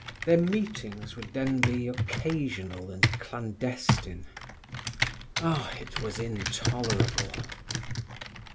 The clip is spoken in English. Their meetings would then be occasional and clandestine. Ah, it was intolerable!